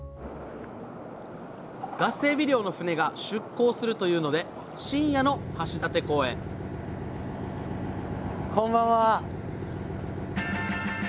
ガスエビ漁の船が出航するというので深夜の橋立港へこんばんは。